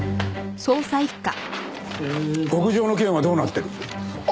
屋上の件はどうなってる？